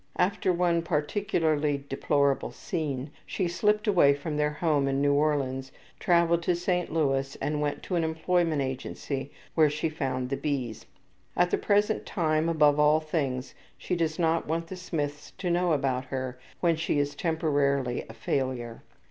After one particularly deplorable scene she slipped away from their home in New Orleans, traveled to St. Louis and went to an employment agency where she found the B.'s. At the present time, above all things, she does not want the Smiths to know about her when she is temporarily a failure.